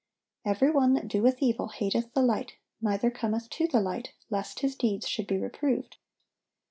"Every one that doeth evil hateth the light, neither cometh to the light, lest his deeds should be reproved."